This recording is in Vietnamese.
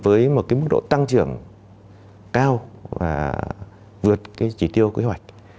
với một mức độ tăng trưởng cao và vượt chỉ tiêu kế hoạch